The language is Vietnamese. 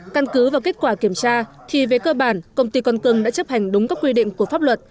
căn cứ vào kết quả kiểm tra thì về cơ bản công ty con cưng đã chấp hành đúng các quy định của pháp luật